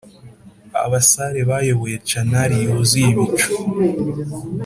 abasare bayoboye canari yuzuye ibicu,